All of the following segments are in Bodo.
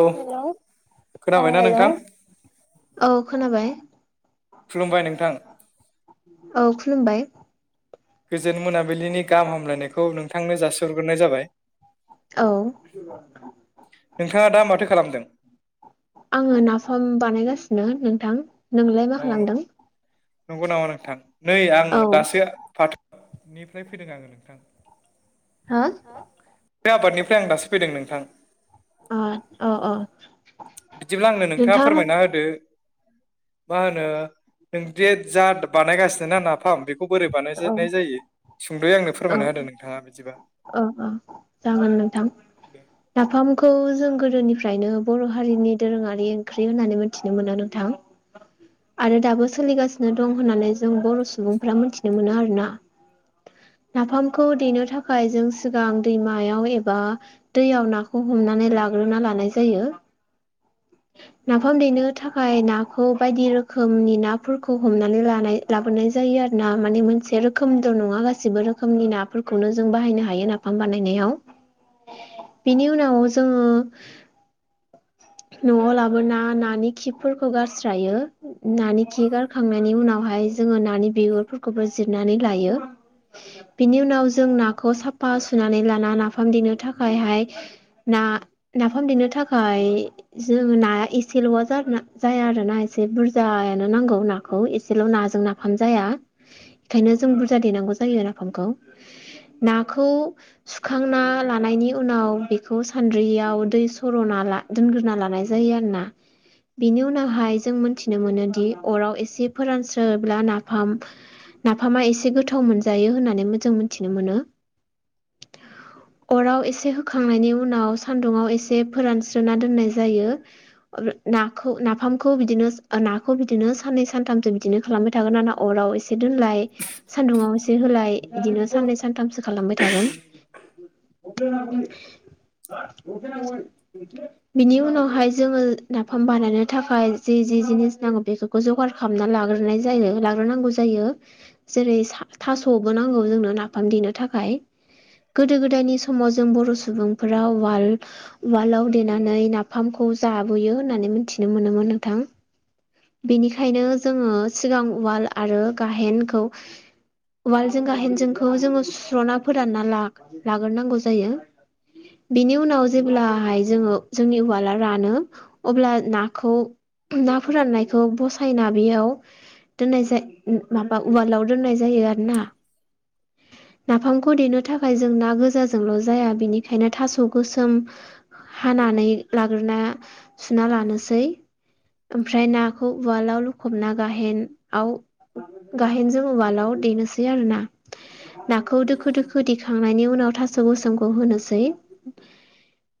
औ हेलौ औ खोनाबायना हेलौ नोंथां औ खोनाबाय खुलुमबाय नोंथां औ खुलुमबाय गोजोन मोनाबिलिनि गाहाम हामलायनायखौ नोंथांनो जासिहग्रोनाय जाबाय औ नोंथाङा दा माथो खालामदों? आङो नाफाम बानायगासिनो नोंथां नोंलाय मा अ खालामदों नंगौ नामा नोंथां नै आं औ दासो फाथो निफ्राय फैदों आङो नोंथां हा बे आबादनिफ्राय आं दासो फैदों नोंथां अ अ अ बिदिब्ला आंनो नोंथाङा फोरमायना होदो मा होनो नों देट जा बानायगासिनो ना नाफाम बे खौ बोरै औ बानायजेननाय जायो सुंद'यै आंनो औ फोरमायना होो नोंथाङा बिदिबा औ औ जागोन नोंथां नाफामखौ जों गोदोनिफ्रायनो बर' हारिनि दोरोङारि ओंख्रि होननानै मिथिनो मोनो नोंथां आरो दाबो सोलिगासिनो दं होननानै जों बर' सुबुंफ्रा मोनथिनो मोनो आरोना [unintelligible] नाफामखौ देनो थाखाय जों सिगां दैमायाव एबा दैयाव नाखौ हमनानै लागोन ग्रोना लानाय जायो [unintelligible] नाफाम देनो थाखाय नाखौ बायदि रोखोमनि नाफोरखौ हमनानै लानाय लाबोनाय जायो आरोना माने मोनसे रोखोमद' नङा गासिबो रोखोमनि नाफोरखौनो जों बाहायनो हायो नाफाम बानायनायाव बेनि उनाव जोङो न'आव लाबोना नानि खिफोरखौ गारस्रायो नानि खि गारखांनायनि उनाव मशहाय जोङो नानि बिगुरफोरखौबो जिरनानै लायो बिनि उनाव जों नाखौ साफा सुनानै लाना नाफाम देनो थाखायहाय ना नाफाम देनो थाखाय जोङो नाया एसेल'आ जाया आरो ना एसे बुरजायानो नांगौ नाखौ‌। एसेल' नाजों नाफाम जाया। बेखायनो जों बुरजा देनांगौ जायो आरो। फांखौ नाखौ सुखांना लानायनि उनाव बेखौ सान्द्रि दैयाव दै सर'ना दोनग्रोना लानाय जायो आरोना। बिनि उनावहाय जों मोनथिनो मोनो दि अराव एसे फोरानस्रोब्ला नाफाम नाफामा एसे गोथाव मोनजायो होननानै मोजां मोनथिनो मोनो। [inaudible] अराव एसे होखांनायनि उनाव सान्दुंङाव एसे फोरानस्रि सोना दोनाय जायो ना नाखौ नाफामखौ बिदिनो नाखौ बिदिनो सानै सानथाम बिदिनो खालामबाय थागोन ना अराव एसे दोनलाय, सानदुंआव एसे होलाय, बिदिनो साननै सानथामसो खालामबाय थागोन। [inaudible] [unintelligible] बिनि उनावहाय जोङो, नाफाम बानायनो थाखाय जि जि जिनिस नांगौ बेफोरखौ जगार खालामना लागो लाग्रोनाय जायो लाग्रोनांगौ जायो जेरै थ थास'बो नांगौ जोंनो नाफाम देनो थाखाय। बिनि गोदो गोदायनि समाव जों बर' सुबुंफोरा वाल उवालाव देनानै नाफामखौ जाबोयो होननानै मिथिनो मोनोमोन नोंथां। बेनिखायनो जोङो सिगां उवाल आरो गाहेनखौ वालजों गाहेनजोंखौ जोङो सुस्र'ना फोरानना रां लाग्रोनांगौ जायो। बिनि उनाव जे अब्लाहाय जोङो जोंनि उवाला रानो अब्ला नाखौ ना फोराननायखौ बसायना बेयाव दोननाय जा माबा उवालाव दोननाय जायो आरो ना। नाफामखौ देनो थाखाय जों ना गोजाजोंल' जाया, बिनिखायनो थास' गोसोम हानानै लाग्रोना सुना लानोसै। ओमफ्राय नाखौ उवालाव लुखबना गाहेनआव गाहेनजों उवालाव देनोसै आरो ना। नाखौ दोखो दोखो दिखांनायनि उनाव थास' गसोमखौ होनोसै।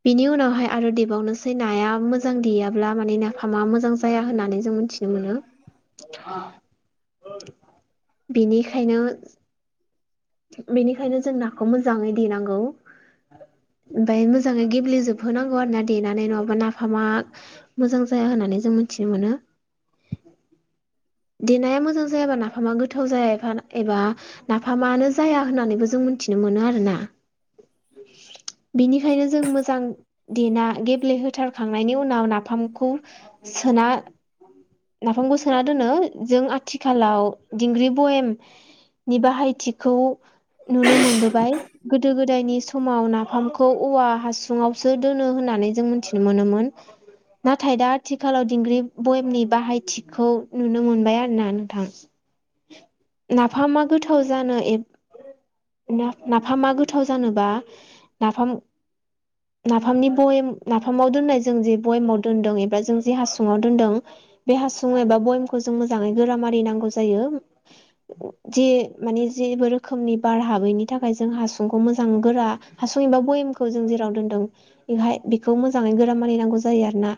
बिनि उनावहाय आरो देबावनोसै नाया मोजां देयाब्ला मान ना फामा मोजां जाया होननानै जों मिथिनो मोनो। बेनिखायनो बेनिखायनो जों नाखौ मोजाङै देनांगौ। [inaudible] ओमफाय मोजाङै गेब्लेेजोबहोनांगौ आरो ना देनानै नङाबा नाफामा मोजां जाया होननानै जों मोन मिथिमोनो। [inaudible] देनाया मोजां जायाबा नाफामा गोथाव जायाफा एबा नाफामानो जाया होननानैबो जों मिथिनो मोनो आरो ना। [inaudible] बेनिखायनो जों मोजां देना गेब्लेहोथारखांनायनि उनाव नाफामखौ सोना नाफामखौ सोना दोनो जों आथिखालाव दिंग्रि बयेम नि बाहायथिखौ नुनो मोनबोबाय गोदो गोदायनि स समाव नाफामखौ औवा हासुङावसो दोनो होननानै जों मिथिनो मोनोमोन। नाथाय दा आथिखालाव दिंग्रि बयेमनि बाहायथिखौ नुनो मोनबाय आरोना नोंथां। नाफामा गोथाव जानो एफ ना नाफामा गोथाव जानोबा नाफाम नाफामनि बयेम नाफामाव दोननाय जों जे बयेमाव दोनदों एबा जों जे हासुङाव दोनदों बे हासुं एबा बयेमखौ जों मोजाङै गोरा मारिनांगौ जायो। जि मानि जेबो रोखोमनि बार हाबैनि थाखाय जों हासुंखौ मोजां गोरा हासुं एबा भयेमखौ जों जेराव दोन्दों बेहाय बेखौ मोजाङै गोरा मारिनांगौ जायो आरो ना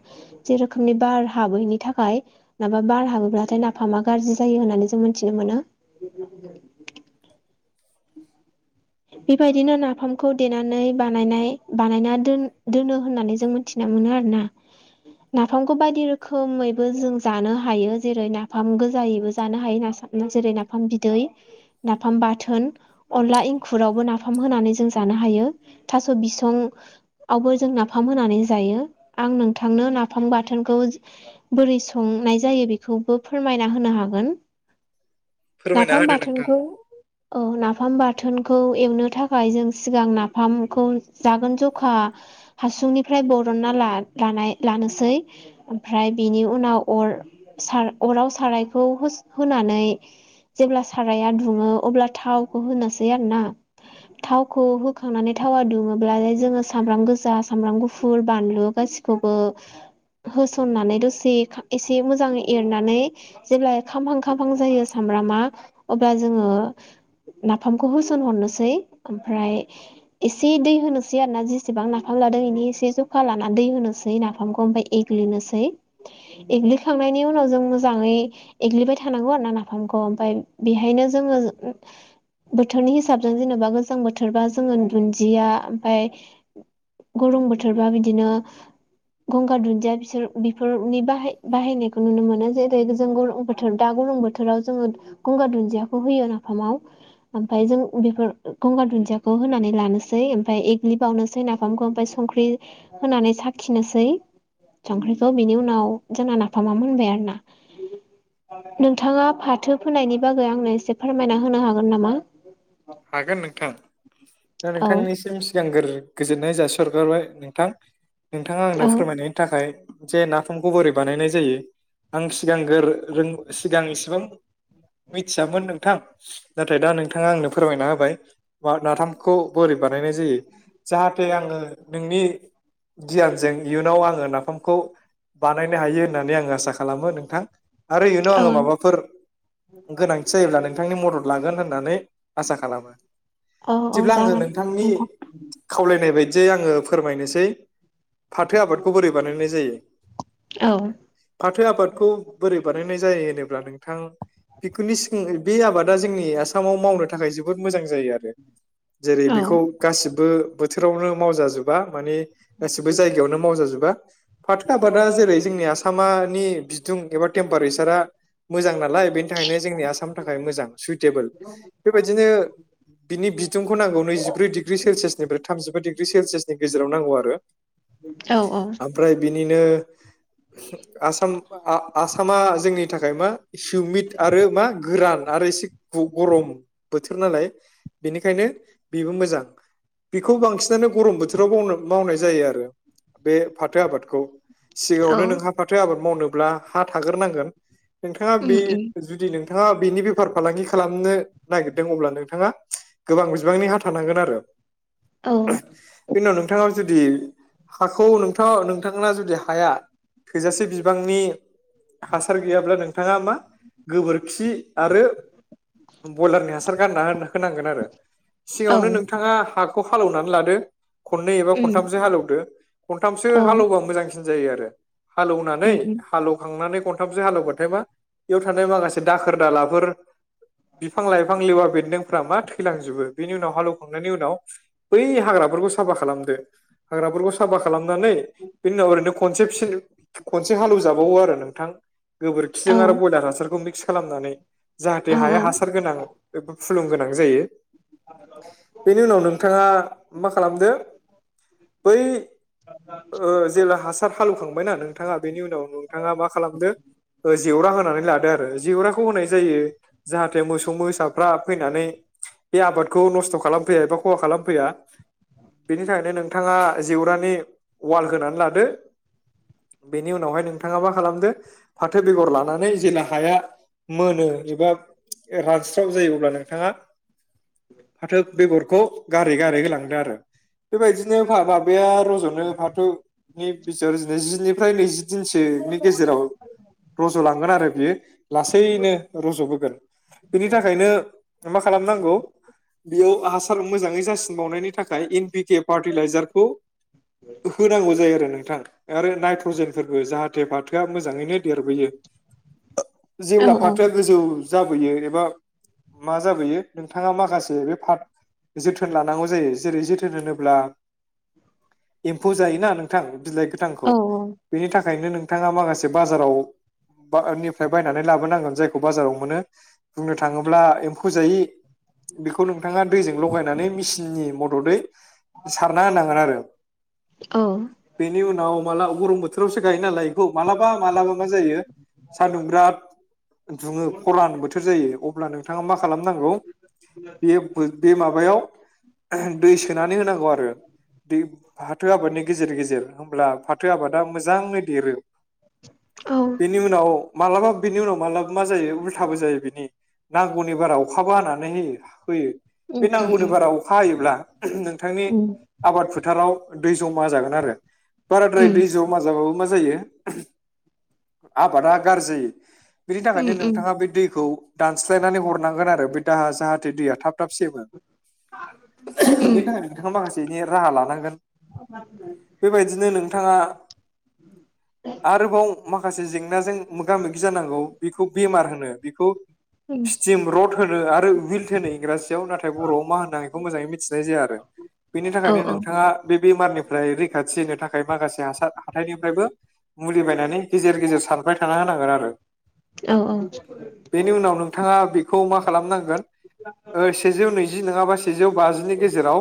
जेरोखोमनि बार हाबैनि थाखाय माबा बार हाबोब्लाथाय नाफामा गाज जायो होननानै जों मिथिनो मोनो। बेबायदिनो नाफामखौ देनानै बानायनाय बानायना दोनो होननानै जों मिथिना मोजां मोनो आरो ना नाफामखौ बायदि रोखोमैबो जों जानो हायो जेरै नाफाम गोजायैबो जानो हायो जेरै नाफाम बिदै नाफाम बाथोन अनला इं खुरावबो नाफाम होनानै जों जानो हायो थास' बिसंवबो जों नाफाम होनानै जायो आं नोंथांनो नाफाम बाथोनखौ बोरै संनाय जायो बेखौबो फोरमायनाय हागोन फोरमायना नाफाम होदो नोंथां बाथोनखौ औ नाफाम बाथोनखौ एवनो थाखाय जों सिगां नाफामखौ जागोन जखा हासुंनिफ्राय बरनना लानोसै ओमफ्राय बिनि उनाव अर साराइखौ होनिनै जेब्ला थावा दुङो जायो आरो ना थावखौ होखांनानै थावा दुमोब्ला जोङो सामब्राम गोजा सामब्राम गुफुर बानलु गासिबो गसिखौबो होसननानै दसे एसे मोजां एरनानै जेब्ला खामहां खामहां जायो साम अब्ला जोङो नाफामखौ बोसन हरनोसै ओमफ्राय एसे दै होनोसै आरो ना जेसेबां नाफाम लादों इनि से जखा लानानै दै होनोसै नाफामखौ फ्राय एग्लिनोसै ए्लिखांनायनि उनाव जों मोजाङै एग्लिबाय थानांगौ आरो ना नाफामखौ ओमफ्राय बेहायनो जोङो बोथोरनि हिसाबजों जेनेबा गोजां बोथोरबा जोङो दुन्दिया ओमफाय गरम बोथोरबा बिदिनो गंगार दुन्दिया बिसोर बेफोरनि बाहाय बाहायनायखौ नुनो मोनो जेरै जों बोथोर दि गरां बोथोराव जोङो गंगार दुन्दियाखौ होयो नाफामाव ओमफ्राय जों बेफोर गंगार दुन्दियाखौ होनानै लानोसै ओमफ्राय एग्लि बावनोसै नाफामखौ आमफ्राय सं संख्रि होनानै साखिनोसै संख्रिखौ बिनि उनाव जोंना नाफामा मोनबाय आरोना नोंथाङा फाथो फोनायनि बागै आंनो एसे फोरमायना होनो हागोन नामा हागोन नोंथां दा औ नोंथांनिसिम सिगांग्रो गोजोननाय जासिरगारबाय नोंथां नोंथाङा आंनो औ फोरमायनायनि थाखाय जे नाफामखौ बोरै बानायनाय जायो आं सिगां सिगां इसेबां मिथियामोन नोंथां नाथाय दा नोंथाङा आंनो फोरमायना होबाया नाफामखौ बोरै बानायनाय जायो जाहाथे आङो नोंनि गियानजों इयुनाव आङो नाफामखौ बानायनो हायो होननानै आं आसा खालामो नोंथां आरो इयुनाव औ आङो माबाफोर गोनांथि जायोब्ला नोंथांनि मदद लागोन होननानै आसा खालामो औ औ जेब्ला आङो जागोन नोंथांनि नोंथां खावलायनाय बायदि जे आङो फोरमायनोसै फाथो आबादखौ बोरै बानायनाय जायो औ फाथो आबादखौ बोरै बानायनाय जायो होनोब्ला नों थां बेनि सि बे आबादा जोंनि आसामाव मावनो थाखाय जोबोद मोजां जायो आरो जेरै औ बेखौ गासिबो बोथोरावनो मावजाजोबा मानि गासिबो जायगायावनो मावजाजोबा फाथो आबादा जेरै जोंनि आसामानि बिदुं एबा टेम्पारेसारा मोजां नालाय बेनि थाखायनो जोंनि आसामनि थाखाय मोजां सुइटेबोल बेबायदिनो [inaudible] बिनि बिदुंखौ नांगौ नैजिब्रै डिग्रि सेलसियासनिफ्राय थामजिबा डिग्रि सेलसियासनि गेजेराव नांगौ आरो औ ओमफ्राय बिनिनो आसाम आसामा जोंनि थाखाय मा हिउमिद आरो मा गोरान आरो एसे गरम बोथोर नालाय बेनिखायनो बेबो मोजां बेखौ बांसिनानो गरम बोथोरावनो मावनाय जायो आरो बे फाथो आबादखौ औ सिगाङावनो नोंहा फाथो आबाद मावनोब्ला हा थाग्रोनांगोन नोंथाङा उम बे उम जुदि नोंथाङा बेनि बेफार फालांगि खालामनो नागिरदों अब्ला नोंथाङा गोबां बिबांनि हा थानांगोन आरो औ [unintelligible] बेनि उनाव नोंथाङा जुदि हाखौ नोंथाङा नोंथां ना जुदि हाया थोजासे बिबांनि हासार गैयाब्ला नोंथाङा मा गोबोर खि आरो बयलारनि हासार गारना होनांगोन आरो औ सिगाङावनो नोंथाङा हाखौ हालौवनानै लादो। खननै एबा उम खनथामसो हालेवदो खनथामसो औ हालेवबा मोजांसिन जायो आरो हालेवनानै उम उम हालौखांनानै खनथामसो हालेवबाथाय मा बेयाव थानाय माखासे दाखोर दालाफोर बिफां लाइफां लेवा बेन्दोंफ्रा मा थैलांजोबो। बेनि उनाव हालौवखांनायनि उनाव बै हाग्राफोर खौ साफा खालामदो। हाग्राफोरखौ साफा खालाम नानै बिनि उनाव ओरैनो खनसे [unintelligible] खनसे हालेव जाबावो आरो नोंथां। गोबोरखिजों औ आरो बयलार हासारखौ मिक्स खालामनानै जाहाथे औ हाया हा या बेफोर फुलुं गोनां जायो। बेनि उनाव नोंथाङा मा खालामदो बै ओ जेब्ला हासार हालौवखांबायना नोंथाङा बेनि उनाव नोंथाङा मा खालामदो ओ जेवरा होनानै लादो आरो जेवराखौ होनाय जायो जाहाथे मोसौ मोसाफ्रा फैनानै बे आबादखौ नस्थ' खालाम फैया एबा खहा खालाम फैया। बेनि थाखायनो नोंथाङा जेवरानि उवाल होनानै लादो। बेनि उनावहाय नोंथाङा मा खालामदो फाथो बेगर लानानै जेब्ला हाया मोनो एबा रानस्राव जायो अब्ला नोंथाङा फाथो बेगरखौ गारै गारै होलांदो आरो बेबायदिनो [unintelligible] माबाया रज'नो फाथोनि बिजिर नै जिनिफ्राय नैजि दिनसोनि गेजेराव रज'लांगोन आरो बियो लासैनो रज'बोगोन। बिनि थाखायनो मा खालामनांगौ बेयाव हासार मोजाङै जासिनबावनायनि थाखाय इन [unintelligible] पाटिलाइजारखौ होनांगौ जायो आरो नों थां आरो नाइट्रजेनफोरबो जाहाथे फाथोआ मोजाङैनो देरबोयो। औ जेब्ला फाथोआ गोजौ जाबोयो एबा मा जाबोयो नोंथाङा माखासे बे फा जोथोन लानांगौ जायो। जेरै जोथोन होनोब्ला एम्फौ जायो ना नोंथां बिलाइ गोथांखौ औ बेनि था खायनो नोंथाङा माखासे बाजाराव बा निफ्राय बायनानै लाबोनांगोन जायखौ बाजाराव मोनो। बुंनो थाङोब्ला एम्फौ जायै बेखौ नोंथाङा दैजों लगायनानै मेसिननि मददै सारना होनांगोन आरो औ बेनि उनाव माला गरम बोथोरावसो गायोनालाय इखौ मालाबा मालाबा मा जायो सानदुं बिराद दुङो। दुफां बोथोर जायो अब्ला नोंथाङा मा खालामनांगौ बे बो माबायाव दै सोनानै होनांगौ आरो दै फाथो आबादनि गेजेर गेजेर होमब्ला फाथो आबादा मोजाङै देरो। औ बेनि उनाव मालाबा बेनि उनाव मालाब मा जायो थाबो जायो बिनि नांगौनि बारा अखाबो हानानै होयो होयो। उम बे नांगौनि उम बारा अखा हायोब्ला नोंथांनि उम आबाद फोथाराव दै ज'मा जागोन आरो उम बाराद्राय दै ज'मा जाबाबो मा जायो आबादा गारजि जायो बिनि उम थाखायनो नोंथाङा उम बे दैखौ दानस्लायनानै हरनां खोनादो बै दाहा जाहाथे दैया थाब थाब सेमो। उम बेनि थाखाय नोंथाङा माखासे इनि राहा लानांगोन। बेबायदिनो नों थाङा आरोबाव माखासे जेंनाजों मोगा मोगि जानांगौ। बेखौ बेमार होनो बेखौ ओम सिम रड होनो आरो उइल्ट होनो इंराजियाव नाथाय बर'आव मा होनो बेखौ मोजाङै मिथिनाय जाया आरो बेनि औ थाखायनो औ नोंथाङा बे बेमारनिफ्राय रैखाथि होनो थाखाय माखासे हासार हाथाइनिफ्रायबो मुलि बायनानै गेजेर गेजेर सारबाय थाना होनांगोन आरो औ बेनि उनाव नोंथाङा बेखौ मा खालामनांगोन ओ सेजौ नैजि नङाबा सेजौ बाजिनि गेजेराव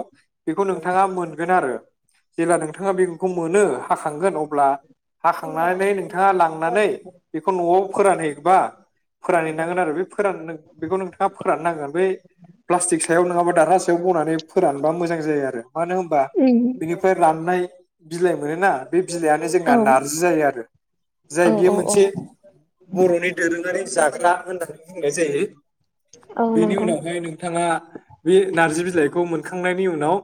बेखौ नोंथाङा मोनगोन आरो जेब्ला नोंथाङा बेखौ मोनो हाखांगोन अब्ला हाखांनानै नोंथाङा लांनानै बेखौ न'आव फोरानहै बा फोरानहैनांगोन आरो बे फोरान बेखौ नोंथाङा फोराननांगोन बै प्लास्टिक सायाव नङाबा दारहा सायाव बनानै फोरानबा मोजां जायो आरो मानो होनबा उम बिनिफ्राय राननाय बिलाय मोनो ना बे बिलाइआनो औ जोंना नारजि जायो आरो जाय बियो औ औ मोनसे बर'नि दोरोङारि जाग्रा होननानै बुंनाय जायो। औ बेनि नंगौ उनावहाय नोंथाङा बे नारजि बिलाइखौ मोनखा नायनि उनाव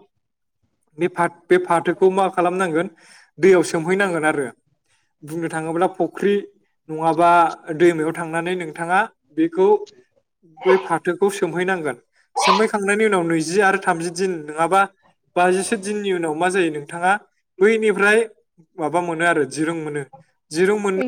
बे फाथ बे फाथोखौ मा खालामनांगोन दैयाव सोमहैनांगोन आरो बुंनो थाङोब्ला फुख्रि नङाबा दैमायाव थांनानै नोंथाङा बेखौ बै फाथोखौ सोमहैनांगोन सोमहैखांनायनि उनाव नैजि आरो थामजि दिन नङाबा बाजिसो दिननि उनाव मा जायो नोंथाङा बैनिफ्राय माबा मोनो आरो जिरुं मोनो जिरुं मोन